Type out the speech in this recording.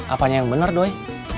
apanya yang bener doi